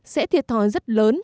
sẽ thiệt thòi rất lớn